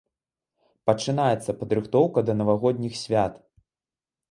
Пачынаецца падрыхтоўка да навагодніх свят.